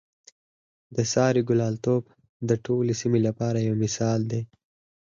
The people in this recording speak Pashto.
د سارې ګلالتوب د ټولې سیمې لپاره یو مثال دی.